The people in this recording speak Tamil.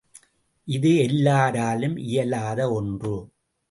இது எல்லாராலும் இயலாத ஒன்று.